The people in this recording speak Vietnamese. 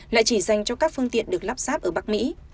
lại chỉ dành cho các phương tiện được lắp sáp ở bắc mỹ